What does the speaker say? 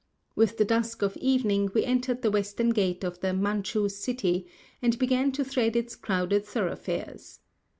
With the dusk of evening we entered the western gate of the "Manchu City," and began to thread its crowded thoroughfares.